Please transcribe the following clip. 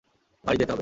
বাড়ি যেতে হবে।